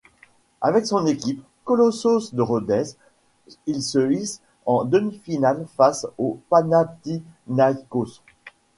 Avec son équipe, Kolossos de Rhodes, il se hisse en demi-finale face au Panathinaïkos.